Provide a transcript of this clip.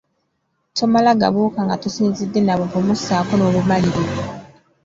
Tomala gabuuka nga tosinzidde na buvumu ssaako n'obumalirivu.